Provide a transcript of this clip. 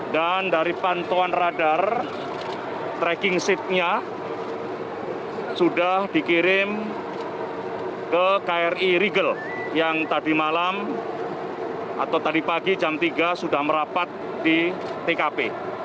dan dari pantuan radar tracking sheetnya sudah dikirim ke kri rigel yang tadi malam atau tadi pagi jam tiga sudah merapat di tkp